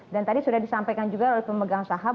dan tadi sudah disampaikan juga oleh pemegang saham